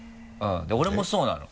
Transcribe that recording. で俺もそうなの。